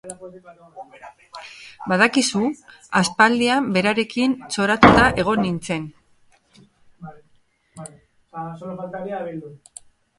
Badakizu? Aspaldian, berarekin txoratuta egon nintzen.